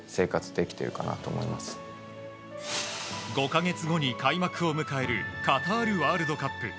５か月後に開幕を迎えるカタールワールドカップ。